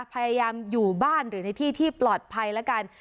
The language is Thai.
พยายามอยู่บ้านหรือในที่ที่ปลอดภัยแล้วกัน